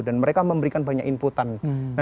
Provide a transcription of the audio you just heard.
dan mereka memberikan banyak inputan